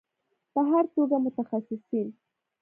په هر توګه متخصصین